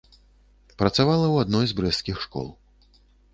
Працавала ў адной з брэсцкіх школ.